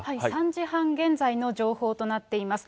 ３時半現在の情報となっております。